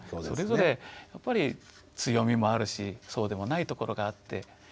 それぞれやっぱり強みもあるしそうでもないところがあって。